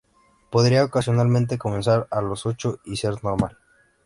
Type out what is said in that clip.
Podría ocasionalmente comenzar a los ocho y ser normal.